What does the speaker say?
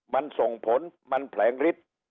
มันส่งผลมันแผลงฤทธิ์